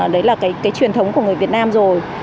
đấy là cái truyền thống của người việt nam rồi